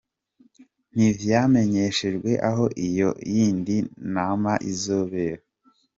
Ntivyamenyeshejwe aho iyo yindi nama izobera.